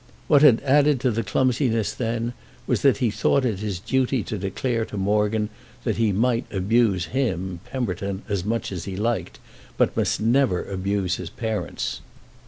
What had added to the clumsiness then was that he thought it his duty to declare to Morgan that he might abuse him, Pemberton, as much as he liked, but must never abuse his parents.